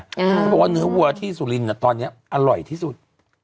เขาบอกว่าเนื้อวัวที่สุรินทร์ตอนนี้อร่อยที่สุด